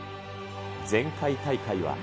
前回大会は。